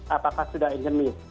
apakah sudah endemis